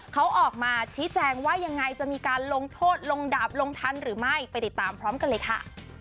เขาออกมาชี้แจงว่ายังไงจะมีการลงโทษลงดาบลงทันหรือไม่ไปติดตามพร้อมกันเลยค่ะ